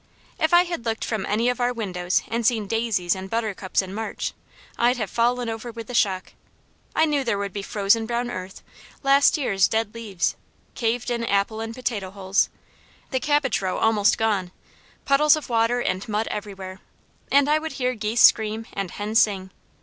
If I had looked from any of our windows and seen daisies and buttercups in March, I'd have fallen over with the shock. I knew there would be frozen brown earth, last year's dead leaves, caved in apple and potato holes, the cabbage row almost gone, puddles of water and mud everywhere, and I would hear geese scream and hens sing.